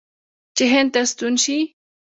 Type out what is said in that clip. چې هند ته ستون شي.